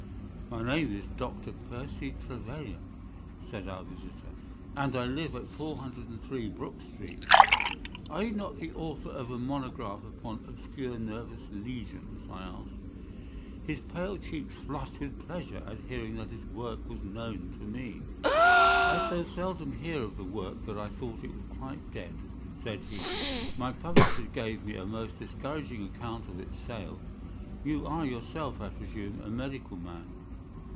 "My name is Doctor Percy Trevelyan," said our visitor, "and I live at 403, Brook Street." "Are you not the author of a monograph upon obscure nervous lesions?" I asked. His pale cheeks flushed with pleasure at hearing that his work was known to me. "I so seldom hear of the work that I thought it was quite dead," said he. "My publishers gave me a most discouraging account of its sale. You are yourself, I presume, a medical man?"